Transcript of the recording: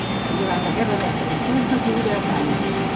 Durant la guerra del francès va viure a Cadis.